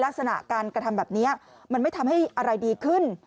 ลักษณะการกระทำแบบนี้มันไม่ทำให้อะไรดีขึ้น